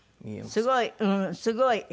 すごい！